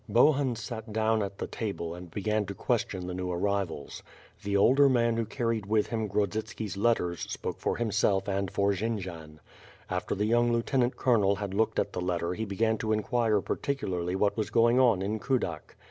Bohun sat down at the table and began to question the new arrivals. The older man who carried with him Qrodzit ski's letters, spoke for himself and for Jendzian. After the young lieutenant colonel had looked at the letter he began to inquire particularly what was going on in Kudak.